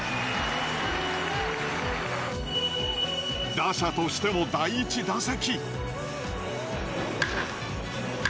打者としても第１打席。